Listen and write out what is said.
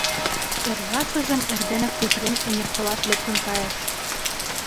Эрлашыжым эрденак Епрем Эҥерсолаш лектын кайыш.